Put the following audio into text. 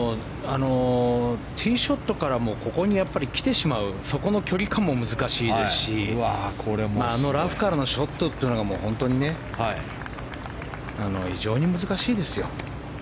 ティーショットからここに来てしまうそこの距離感も難しいですしあのラフからのショットは本当に、非常に難しいですよ。